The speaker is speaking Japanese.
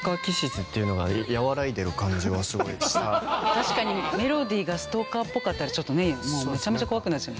まあ確かにメロディがストーカーっぽかったらちょっとねもうめちゃめちゃ怖くなっちゃう。